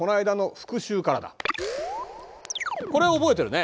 これ覚えてるね。